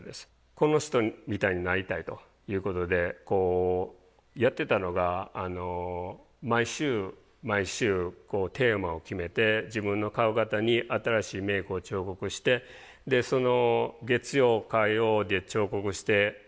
この人みたいになりたいということでやってたのが毎週毎週テーマを決めて自分の顔型に新しいメイクを彫刻してその月曜火曜で彫刻して水曜日に型取って